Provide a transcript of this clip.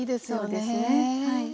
そうですねはい。